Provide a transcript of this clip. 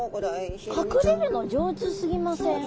かくれるの上手すぎません？